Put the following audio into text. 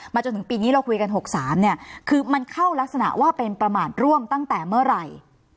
จนถึงปีนี้เราคุยกัน๖๓เนี่ยคือมันเข้ารักษณะว่าเป็นประมาทร่วมตั้งแต่เมื่อไหร่